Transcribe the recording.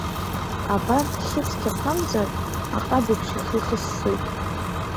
Абарҭ хьы-цқьақәамзар, аҟаб еиԥш ихы ихыссоит!